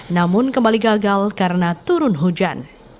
namun kembali gagal karena turun hujan